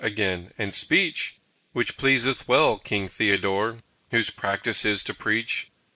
again and "Speech!" Which pleaseth well King Theodore, Whose practice is to preach.